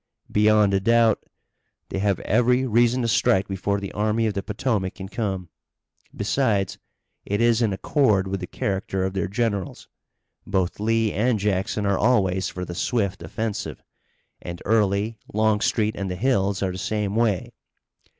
"Beyond a doubt. They have every reason to strike before the Army of the Potomac can come. Besides, it is in accord with the character of their generals. Both Lee and Jackson are always for the swift offensive, and Early, Longstreet and the Hills are the same way.